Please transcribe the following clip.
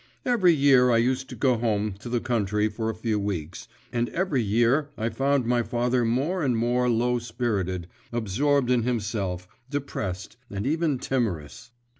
Every year I used to go home to the country for a few weeks, and every year I found my father more and more low spirited, absorbed in himself, depressed, and even timorous.